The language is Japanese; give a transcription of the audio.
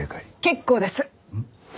結構です。